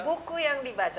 buku yang dibaca